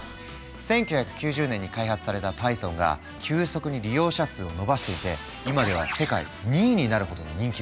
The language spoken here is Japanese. １９９０年に開発されたパイソンが急速に利用者数を伸ばしていて今では世界２位になるほどの人気ぶり。